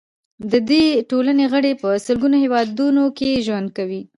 د دې ټولنې غړي په سلګونو هیوادونو کې ژوند کوي.